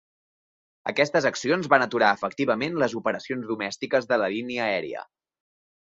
Aquestes accions van aturar efectivament les operacions domèstiques de la línia aèria.